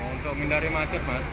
untuk menghindari masyarakat mas